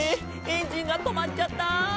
エンジンがとまっちゃった！」